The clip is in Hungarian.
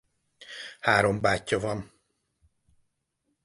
Három bátyja van.